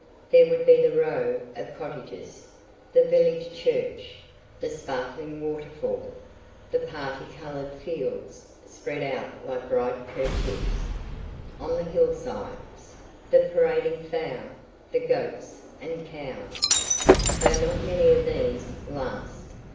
There would be the row of cottages, the village church, the sparkling waterfall, the parti colored fields spread out like bright kerchiefs on the hillsides, the parading fowl, the goats and cows, though not many of these last.